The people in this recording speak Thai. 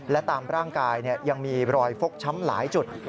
และตามร่างกายยังมีรอยฟกช้ำหลายจุด